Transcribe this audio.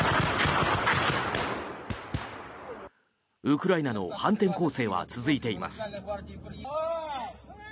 ウクライナの反転攻勢は続いています。